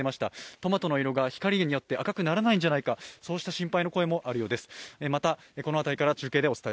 トマトの色が光によって赤くならないんじゃないかといった心配もあるようです。